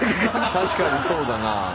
確かにそうだなぁ。